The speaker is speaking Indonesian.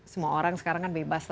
semua orang sekarang kan bebas